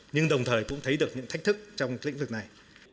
nhưng đồng thời cũng thấy được những thách thức trong lĩnh vực này